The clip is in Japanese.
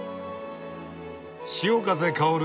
潮風香る